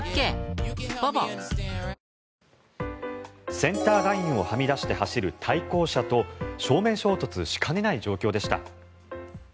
センターラインをはみ出して走る対向車と正面衝突しかねない状況でした。